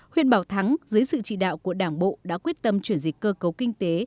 huyện bảo thắng dưới sự chỉ đạo của đảng bộ đã quyết tâm chuyển dịch cơ cấu kinh tế